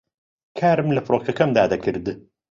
کارم لە فڕۆکەکەمدا دەکرد